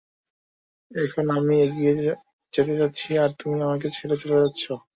এখন আমি এগিয়ে যেতে চাচ্ছি আর তুমি আমাকে ছেড়ে চলে যাচ্ছো!